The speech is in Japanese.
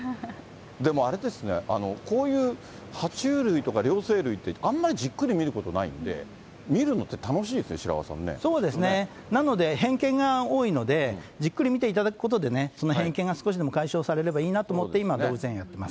でもあれですね、こういうは虫類とか両生類って、あんまりじっくり見ることないので、見るのって楽しいですね、白輪さんね、そうですね、偏見が多いので、じっくり見ていただくことでね、その偏見が少しでも解消されればいいなと思って、今、動物園やってます。